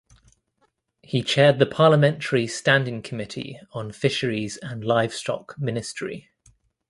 He chaired the parliamentary standing committee on fisheries and livestock ministry.